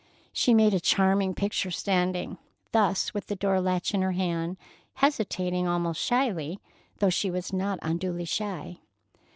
She made a charming picture standing thus with the door latch in her hand, hesitating almost shyly, though she was not unduly shy.